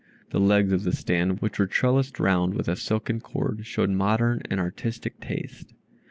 The legs of the stand, which were trellised round with a silken cord, showed modern and artistic taste.